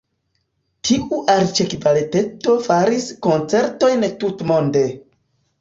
Tiu arĉkvarteto faris koncertojn tutmonde.